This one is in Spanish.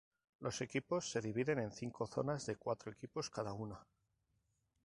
Los equipos se dividen en cinco zonas de cuatro equipos cada una.